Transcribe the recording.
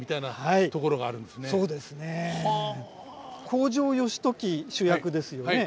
北条義時主役ですよね。